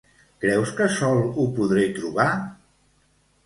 Creus que sol ho podré trobar?